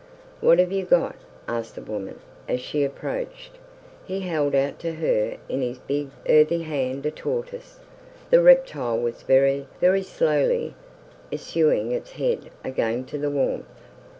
"What have you got?" asked the woman, as she approached. He held out to her in his big, earthy hand a tortoise. The reptile was very, very slowly issuing its head again to the warmth.